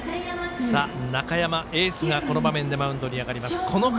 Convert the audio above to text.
中山、エースがこの場面でマウンドに上がります。